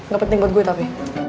gak penting buat gue tapi